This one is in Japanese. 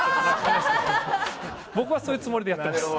僕はそういうつもりでやってます。